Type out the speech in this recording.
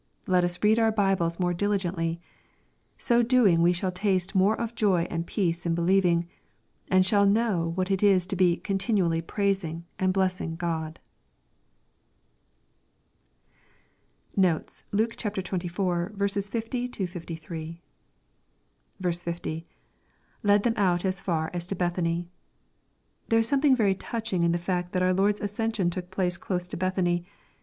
Let us read our Bibles more diligently. So doing we shall taste more of joy and peace in believing, and shall know what it is to be " continually praising and blessing Gh)d." Notes. Luke XXIV. 50—63. 50. — [Led them out as far as to Bethany.] There is something very touching in the fact that our Lord's ascension took place close to Bethany.